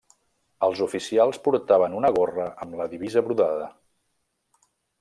Els oficials portaven una gorra amb la divisa brodada.